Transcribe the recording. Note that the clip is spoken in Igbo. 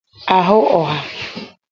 a hụ ọhà